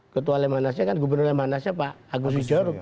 ketua lemhanasnya kan gubernur lemhanasnya pak agus jorok